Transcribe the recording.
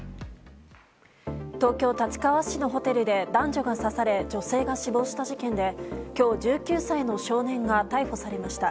東京・立川市のホテルで男女が刺され女性が死亡した事件で、今日１９歳の少年が逮捕されました。